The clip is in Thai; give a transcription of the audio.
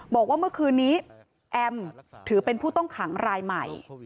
บอกว่าเมื่อคืนนี้แอมถือเป็นผู้ต้องขังรายใหม่